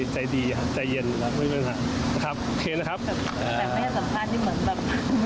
แบบไม่ใช่สัมภาษณ์ที่เหมือนแบบ